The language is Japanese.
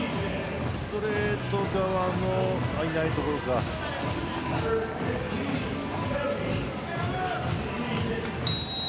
ストレート側のいない所でした。